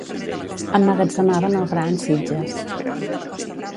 Emmagatzemaven el gra en sitges.